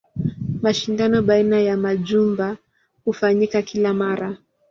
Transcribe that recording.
Mashindano baina ya majumba hufanyika kila mara.